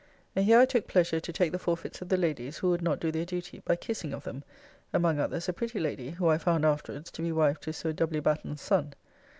And here I took pleasure to take the forfeits of the ladies who would not do their duty by kissing of them; among others a pretty lady, who I found afterwards to be wife to Sir W. Batten's son.